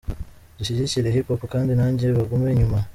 Dushyigikire hip hop kandi nanjye bangume inyuma”.